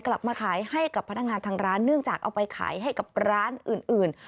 กลับมาขายให้กับพนักงานทางร้านเนื่องจากเอาไปขายให้กับร้านอื่น